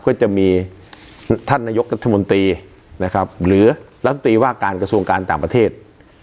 ก็จะมีท่านนายกรัฐมนตรีนะครับหรือรัฐมนตรีว่าการกระทรวงการต่างประเทศ